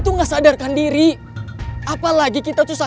nggak bisa dilahirkan ya